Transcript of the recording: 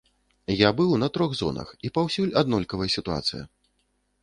Я быў на трох зонах, і паўсюль аднолькавая сітуацыя.